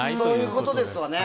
そういうことですよね。